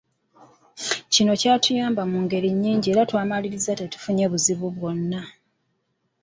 Kino kyatuyamba mu ngeri nyingi era twamaliriza tetufunye buzibu bwonna.